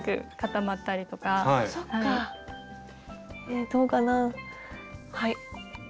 えどうかなはい。